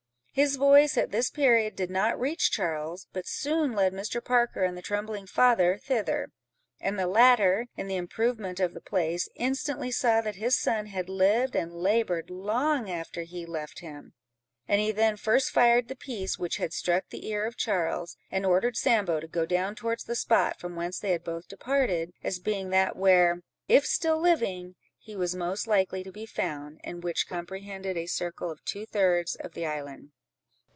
His voice, at this period, did not reach Charles, but soon led Mr. Parker and the trembling father thither; and the latter, in the improvement of the place, instantly saw that his son had lived and laboured long after he left him; and he then first fired the piece which had struck the ear of Charles, and ordered Sambo to go down towards the spot from whence they had both departed, as being that where (if still living) he was most likely to be found, and which comprehended a circle of two thirds of the island.